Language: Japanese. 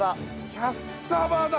キャッサバだ！